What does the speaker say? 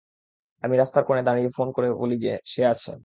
আমি রাস্তার কোণে দাঁড়িয়ে ফোন করে বলি যে সে আসছে।